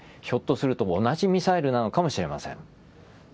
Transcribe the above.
ひょっとすると同じミサイルなのかもしれません。